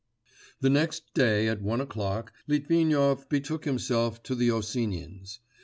The next day at one o'clock, Litvinov betook himself to the Osinins'.